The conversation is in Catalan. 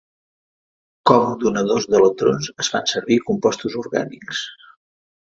Com donadors d'electrons es fan servir compostos orgànics.